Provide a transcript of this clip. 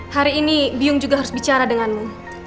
hari ini biung juga harus bicara denganmu